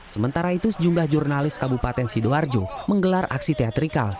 sementara itu sejumlah jurnalis kabupaten sidoarjo menggelar aksi teatrikal